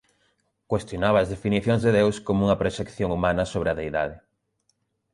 Cuestionaba as definicións de Deus como unha proxección humana sobre a deidade.